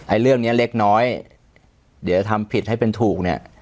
เรื่องเนี้ยเล็กน้อยเดี๋ยวจะทำผิดให้เป็นถูกเนี่ย